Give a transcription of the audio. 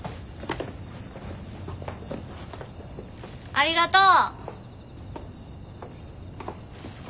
ありがとう！